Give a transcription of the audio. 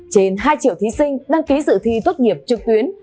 trên hai triệu thí sinh đăng ký dự thi tốt nghiệp trực tuyến